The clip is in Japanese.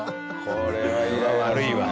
これは悪いわ。